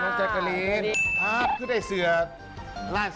มาเสิร์ฟได้อย่างไรเอาไปเก็บ